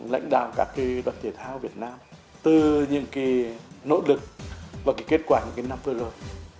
lãnh đạo các đoàn thể thao việt nam từ những nỗ lực và kết quả năm vừa rồi